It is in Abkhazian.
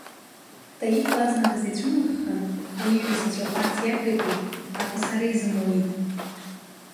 Таиф азныказ ицәымыӷхан, ииҩыз иҵәаӷәарц иақәикит, аха сара изымуит.